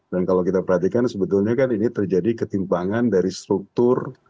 dan kalau kita perhatikan sebetulnya kan ini terjadi ketimpangan dari struktur